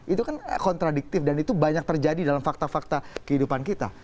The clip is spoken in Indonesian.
itu kan kontradiktif dan itu banyak terjadi dalam fakta fakta kehidupan kita